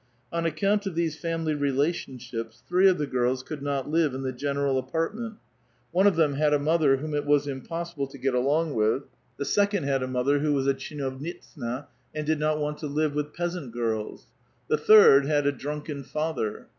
On sicconnt of these family relationships three of the girls could not live in the general apartment : one of them had a mother ^hom it was impossible to get along with ; the second had a 180 A VITAL QUESTION. mother who was a tcldndvnitsa^ and did not want to live with peasant girls ; the third had a drunken father.